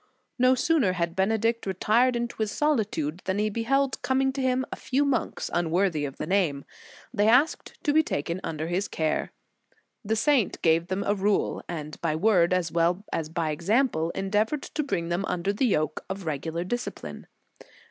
No sooner had Benedict retired into his solitude than he beheld coming to him a few monks unworthy of the name; they asked to be taken under his care. The saint gave them a rule, and by word as well as example, endeavored to bring them under the yoke of regular discipline.